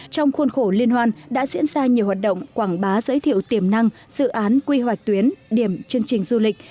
trong khuôn khổ liên hoan đã diễn ra nhiều hoạt động quảng bá giới thiệu tiềm năng dự án quy hoạch tuyến điểm chương trình du lịch